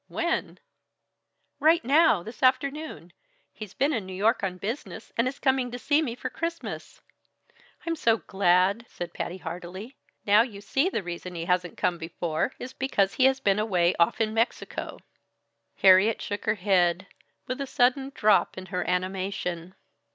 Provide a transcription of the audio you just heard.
"When?" "Right now this afternoon He's been in New York on business, and is coming to see me for Christmas." "I'm so glad!" said Patty heartily. "Now, you see the reason he hasn't come before is because he has been away off in Mexico." Harriet shook her head, with a sudden drop in her animation.